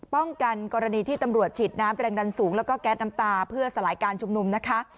กรณีที่ตำรวจฉีดน้ำแรงดันสูงแล้วก็แก๊สน้ำตาเพื่อสลายการชุมนุมนะคะ